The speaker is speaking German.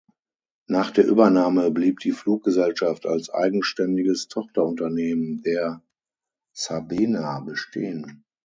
Nach der Übernahme blieb die Fluggesellschaft als eigenständiges Tochterunternehmen der "Sabena" bestehen.